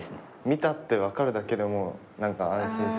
見たって分かるだけでも何か安心するっていうか。